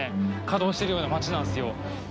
稼働してるような街なんすよ